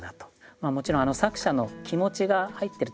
もちろん作者の気持ちが入ってると思いますね。